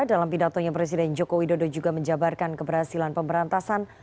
dalam pidatonya presiden joko widodo juga menjabarkan keberhasilan pemberantasan